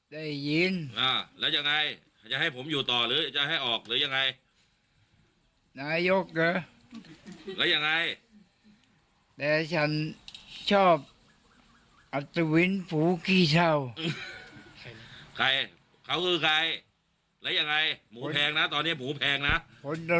แล้วยังไงหมูแพงนะตอนนี้หมูแพงนะ